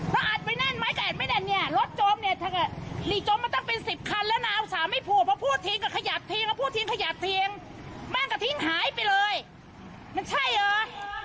ถ้าอาจไปดันไม๊กะไม่ดันเนี่ยรถจมเนี่ยว่า